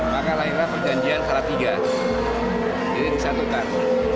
maka lahirlah perjanjian salah tiga jadi disatukan